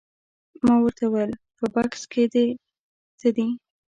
ما ورته وویل په بکس کې دې څه دي؟